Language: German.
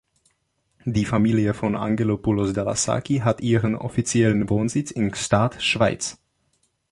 Die Familie von Angelopoulos-Daskalaki hat ihren offiziellen Wohnsitz in Gstaad, Schweiz.